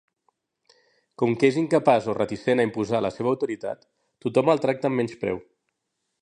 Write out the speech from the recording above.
Com que és incapaç o reticent a imposar la seva autoritat, tothom el tracta amb menyspreu.